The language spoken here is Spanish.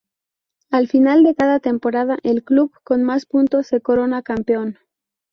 Al final de cada temporada, el club con más puntos se corona campeón.